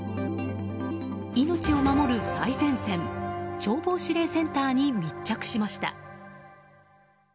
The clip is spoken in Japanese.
命を守る最前線消防指令センターに密着しました。